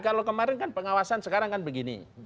kalau kemarin kan pengawasan sekarang kan begini